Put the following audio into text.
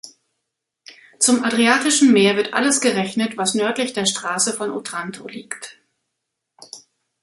Zum Adriatischen Meer wird alles gerechnet, was nördlich der Straße von Otranto liegt.